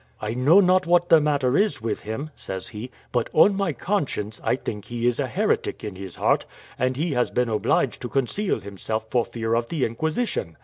"I know not what the matter is with him," says he, "but, on my conscience, I think he is a heretic in his heart, and he has been obliged to conceal himself for fear of the Inquisition."